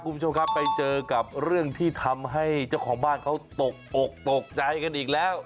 คุณผู้ชมครับไปเจอกับเรื่องที่ทำให้เจ้าของบ้านเขาตกอกตกใจกันอีกแล้ว